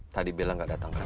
tadi bella gak datang kan